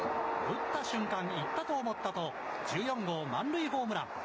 打った瞬間、行ったと思ったと、１４号満塁ホームラン。